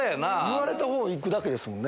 言われたほう行くだけ。